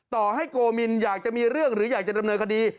ต่อให้โกมินอยากจะมีเรื่องหรืออยากจะดำเนินคดี